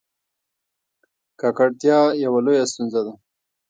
ککړتیا یوه لویه ستونزه ده.